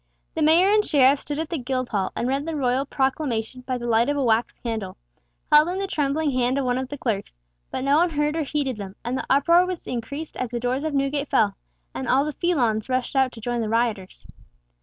The Mayor and Sheriffs stood at the Guildhall, and read the royal proclamation by the light of a wax candle, held in the trembling hand of one of the clerks; but no one heard or heeded them, and the uproar was increased as the doors of Newgate fell, and all the felons rushed out to join the rioters.